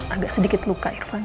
agak sedikit luka irfan